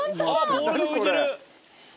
ボールが浮いてる！